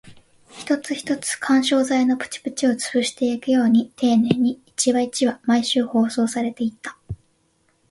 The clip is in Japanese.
一つ一つ、緩衝材のプチプチを潰していくように丁寧に、一話一話、毎週放送されていった